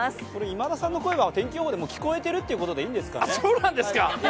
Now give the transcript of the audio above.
今田さんの声は天気予報でも聞こえてるってことでいいんですかね？